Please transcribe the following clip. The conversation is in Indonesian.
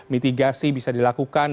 mitigasi bisa dilakukan